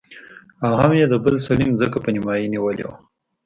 او هم يې د بل سړي ځمکه په نيمايي نيولې وه.